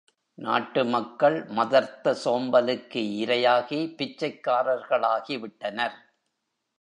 நாட்டு மக்கள் மதர்த்த சோம்பலுக்கு இரையாகி பிச்சைக்காரர்களாகிவிட்டனர்..